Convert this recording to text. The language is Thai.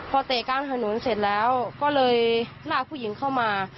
พอเตะกลางถนนเสร็จแล้วก็เลยลากผู้หญิงเข้ามา